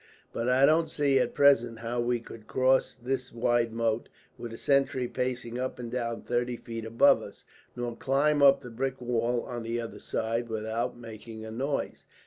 But I don't see, at present, how we could cross this wide moat, with a sentry pacing up and down thirty feet above us; nor climb up the brick wall on the other side, without making a noise.